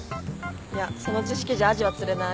いやその知識じゃアジは釣れない。